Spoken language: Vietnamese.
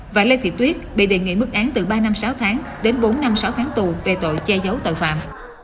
và lê thị tuyết bị đề nghị mức án từ ba năm sáu tháng đến bốn năm sáu tháng tù về tội che giấu tội phạm